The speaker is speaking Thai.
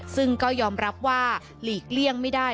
ซึ่งก็ยอมรับว่าหลีกเลี่ยงไม่ได้